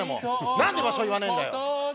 なんで場所言わねえんだよ！